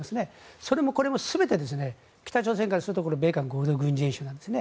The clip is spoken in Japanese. それもこれも全て北朝鮮からすると米韓合同軍事演習なんですね。